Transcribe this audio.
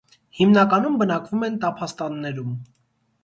Հիմնականում բնակվում են տափաստաններում։